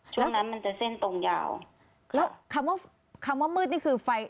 ช่วงนั้นมันจะเส้นตรงยาวแล้วคำว่าคำว่ามืดนี่คือไฟ